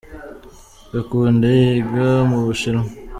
Gakunde yiga mubushinwa.